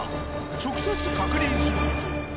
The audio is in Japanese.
直接確認する事。